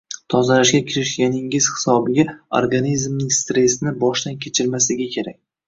Tozalashga kirishganingiz hisobiga organizmingiz stressni boshdan kechirmasligi kerak